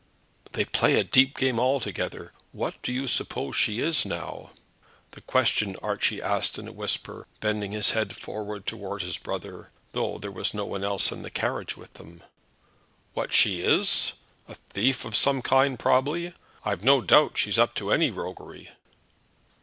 "They play a deep game altogether. What do you suppose she is, now?" This question Archie asked in a whisper, bending his head forward towards his brother, though there was no one else in the carriage with them. "What she is? A thief of some kind probably. I've no doubt she's up to any roguery."